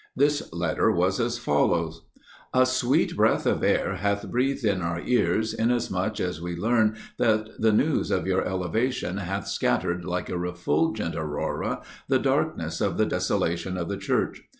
This letter was as follows: "A sweet breath of air hath breathed in our ears, inasmuch as we learn that the news of your elevation hath scattered like a refulgent aurora, the darkness of the desolation of the Church.